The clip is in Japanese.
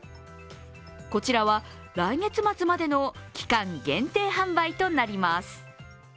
こちらは来月末までの期間限定販売となります。